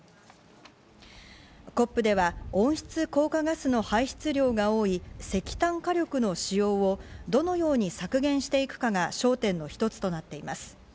ＣＯＰでは温室効果ガスの排出量が多い石炭火力の使用をどのように削減していくかが焦点の一つとなっています。